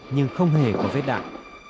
nhưng không hề có vết đạn